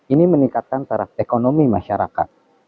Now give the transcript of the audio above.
ini meningkatkan taraf ekonomi masyarakat